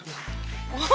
masih pakai kacamata